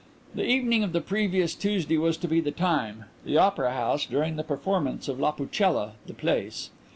The evening of the previous Tuesday was to be the time; the opera house, during the performance of La Pucella, the place.